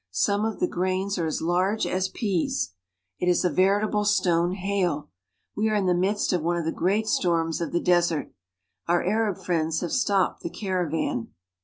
Some of the grains are as large as peas. It is a veritable stone hail. We are in the midst of one of the great storms of the desert. Our Arab friends have stopped the caravan.